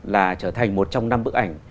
là trở thành một trong năm bức ảnh